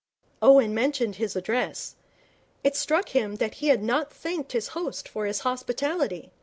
Owen mentioned his address. It struck him that he had not thanked his host for his hospitality.